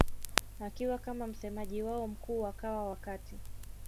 akiwa kama msemaji wao mkuu wakawa wakati